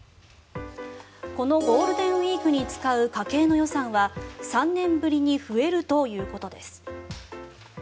このゴールデンウィークに使う家計の予算は３年ぶりに増えるということです。